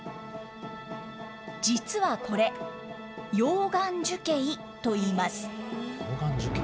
実はこれ、溶岩樹型といいます。